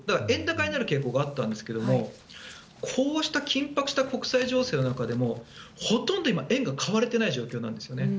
円高になる傾向があったんですがこうした緊迫した国際情勢の中でほとんど今、円が買われていない状況なんです。